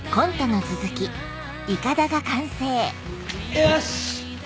よし！